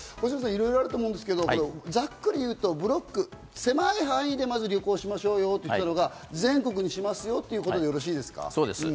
いろいろあると思うんですけど、ざっくりいうと、狭い範囲でまず旅行をしましょうよって言っていたのが、全国にしますよっていうことでよろしいですか。